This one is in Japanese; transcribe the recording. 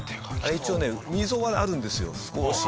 一応ね溝があるんですよ少し。